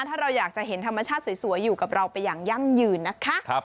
ถ้าเราอยากจะเห็นธรรมชาติสวยอยู่กับเราไปอย่างยั่งยืนนะคะ